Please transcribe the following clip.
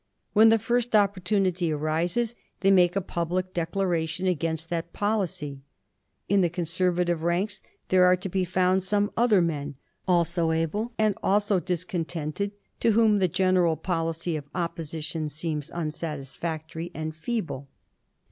When the first opportunity arises, they make a public declaration against that policy. In the Conservative ranks there are to be found some other men, also able and also discontented, to whom the general policy of Opposition seems unsatisfactory and feeble.